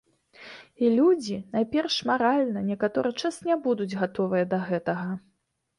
І людзі, найперш маральна, некаторы час не будуць гатовыя да гэтага.